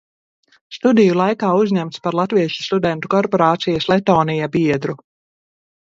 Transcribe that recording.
"Studiju laikā uzņemts par latviešu studentu korporācijas "Lettonia" biedru."